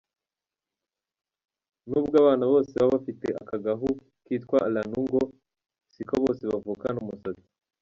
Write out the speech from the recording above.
Nubwo abana bose baba bafite aka gahu kitwa lanugo, si ko bose bavukana umusatsi.